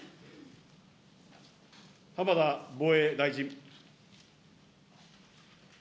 浜田防衛大臣。